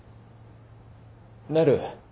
なる。